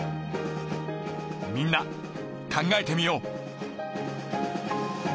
みんな考えてみよう。